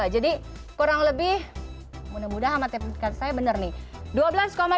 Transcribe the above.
jadi kurang lebih mudah mudahan sama tepuk tangan saya bener nih